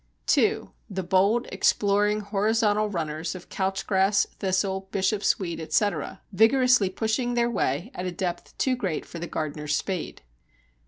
2. The bold, exploring, horizontal runners of Couchgrass, Thistle, Bishopsweed, etc., vigorously pushing their way at a depth too great for the gardener's spade.